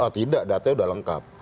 tidak data sudah lengkap